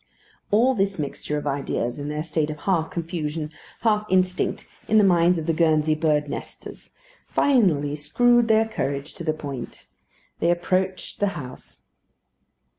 All this mixture of ideas, in their state of half confusion, half instinct, in the minds of the Guernsey birds' nesters, finally screwed their courage to the point. They approached the house.